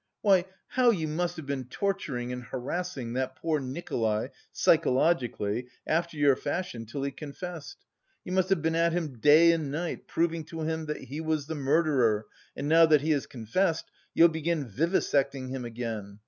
"Why, how you must have been torturing and harassing that poor Nikolay psychologically, after your fashion, till he confessed! You must have been at him day and night, proving to him that he was the murderer, and now that he has confessed, you'll begin vivisecting him again.